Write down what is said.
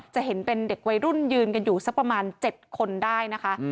จะเห็นเป็นเด็กวัยรุ่นยืนกันอยู่สักประมาณ๗คนได้นะคะ